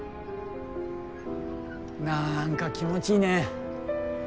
なんか気持ちいいね。